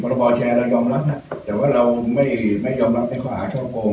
แต่พระพอร์แชร์เรายอมรับแต่ว่าเราไม่ยอมรับเขาหาเช่าโกง